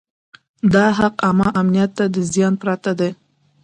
دا حق عامه امنیت ته د زیان پرته دی.